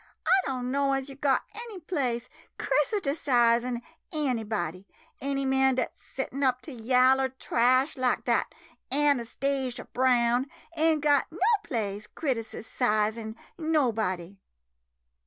I don' know as yo' got any place crisiticisin' anybody. Any man dat 's sittin' up to yaller trash like dat Anastasia Brown ain' got no place crisiti cisin' nobody!